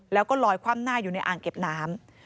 แล้วก็ลอยคว่ำหน้าอยู่ในอ่างเก็บน้ำ